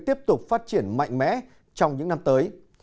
tiếp tục phát triển mạnh mẽ trong những năm tới